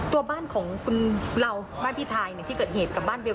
ตัวบ้านของคุณเราบ้านพี่ชายเนี่ยที่เกิดเหตุกับบ้านเบล